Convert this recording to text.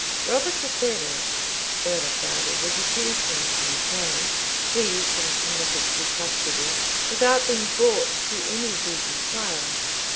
Robert de Ferrers, earl of Derby, was accused in the king's name, seized, and committed to custody, without being brought to any legal trial.